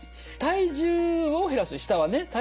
体重を減らす下はね。